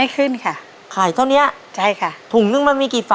ไม่ขึ้นค่ะ